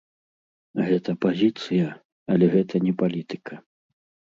Гэта пазіцыя, але гэта не палітыка.